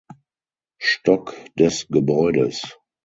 Stock des Gebäudes.